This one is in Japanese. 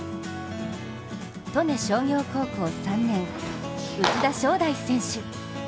利根商業高校３年、内田湘大選手。